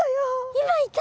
今いた！